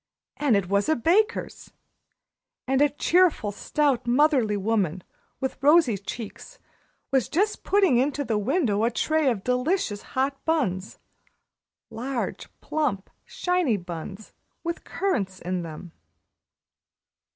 And it was a baker's, and a cheerful, stout, motherly woman, with rosy cheeks, was just putting into the window a tray of delicious hot buns, large, plump, shiny buns, with currants in them.